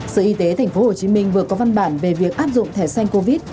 sở y tế tp hcm vừa có văn bản về việc áp dụng thẻ xanh covid